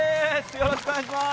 よろしくお願いします。